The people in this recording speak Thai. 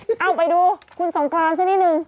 เอาไปดูคุณสงกรานซะนิดนึง